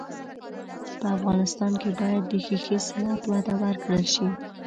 په افغانستان کې باید د ښیښې صنعت ته وده ورکړل سي.